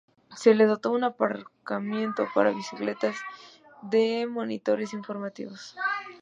Se le dotó de un aparcamiento para bicicletas y de monitores informativos.